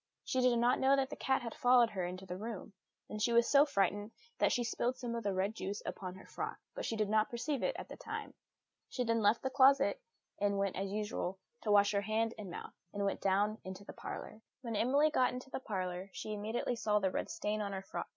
She did not know that the cat had followed her into the room; and she was so frightened that she spilled some of the red juice upon her frock, but she did not perceive it at the time. She then left the closet, and went, as usual, to wash her hands and mouth, and went down into the parlour. When Emily got into the parlour, she immediately saw the red stain on her frock.